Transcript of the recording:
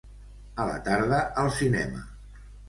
A la tarda, al cinema.